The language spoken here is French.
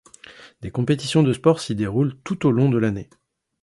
Des compétitions de sport s'y déroulent tout au long de l'année.